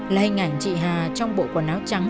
là hình ảnh chị hà trong bộ quần áo trắng